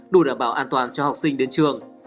đủ đảm bảo an toàn cho học sinh đến trường